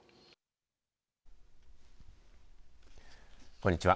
こんにちは。